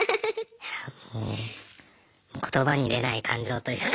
もう言葉に出ない感情というか。